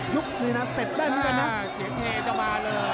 ยุบหนึ่งนะเสร็จมันกันนะ